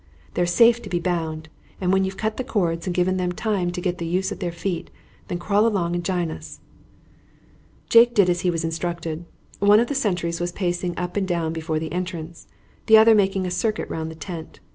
They're safe to be bound, and when you've cut the cords and given them time to get the use of their feet, then crawl along and jine us." Jake did as he was instructed. One of the sentries was pacing up and down before the entrance, the other making a circuit round the tent.